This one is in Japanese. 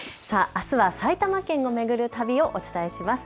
あすは埼玉県を巡る旅をお伝えします。